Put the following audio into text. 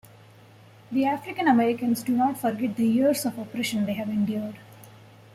The African Americans do not forget the years of oppression they have endured.